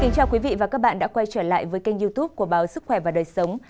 chào các bạn đã quay trở lại với kênh youtube của báo sức khỏe và đời sống